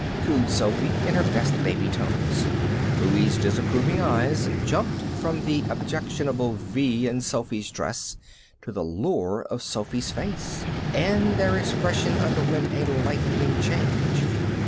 cooed Sophy in her best baby tones. Louie's disapproving eyes jumped from the objectionable V in Sophy's dress to the lure of Sophy's face, and their expression underwent a lightning change.